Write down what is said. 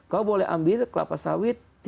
kau boleh ambil kelapa sawit